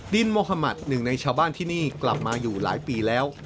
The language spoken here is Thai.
โมฮามัติหนึ่งในชาวบ้านที่นี่กลับมาอยู่หลายปีแล้ว